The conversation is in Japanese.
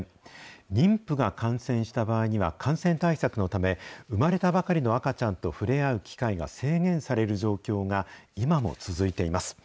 妊婦が感染した場合には、感染対策のため、産まれたばかりの赤ちゃんと触れ合う機会が制限される状況が今も続いています。